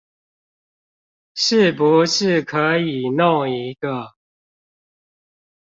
是不是可以弄一個